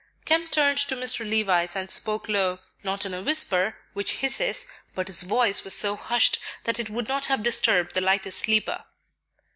Kemp turned to Mr. Levice and spoke low, not in a whisper, which hisses, but his voice was so hushed that it would not have disturbed the lightest sleeper.